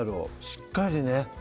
しっかりね